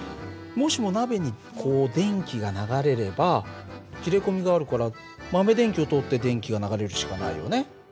もしも鍋にこう電気が流れれば切れ込みがあるから豆電球を通って電気が流れるしかないよね。